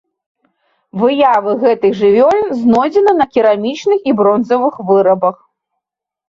Выявы гэтых жывёлін знойдзены на керамічных і бронзавых вырабах.